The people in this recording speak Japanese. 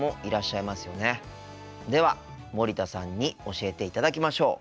では森田さんに教えていただきましょう。